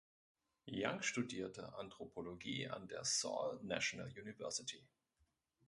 Jang studierte Anthropologie an der Seoul National University.